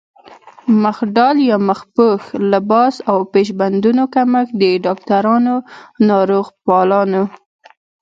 مخ ډال يا مخ پوښ، لباس او پيش بندونو کمښت د ډاکټرانو، ناروغپالانو